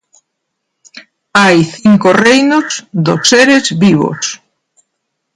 Hai cinco reinos dos seres vivos.